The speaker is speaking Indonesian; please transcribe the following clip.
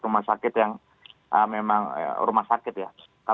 rumah sakit yang memang rumah sakit ya